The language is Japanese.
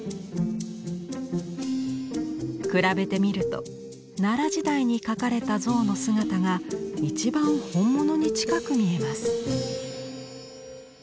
比べてみると奈良時代に描かれた象の姿が一番本物に近く見えます。